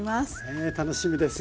ええ楽しみです。